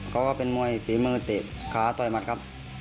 ก็เป็นมวยฝีมือเตะขาต่อยมัดครับ